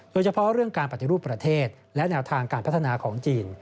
โดยเฉพาะเรื่องการปฏิรูปประเทศและแนวทางการพัฒนาของจีน